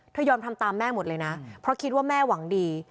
ยอมทำตามแม่หมดเลยนะเพราะคิดว่าแม่หวังดี